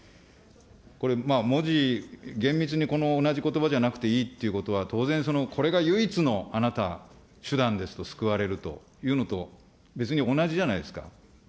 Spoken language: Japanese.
これ、文字、厳密に同じことばじゃなくていいっていうことは、当然、これが唯一のあなた、手段ですと、救われるというのと、別に同じじゃないですか。